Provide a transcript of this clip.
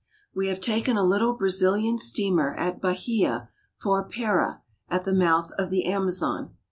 We have taken a little Brazilian steamer at Bahia for Para, at the mouth of the Amazon.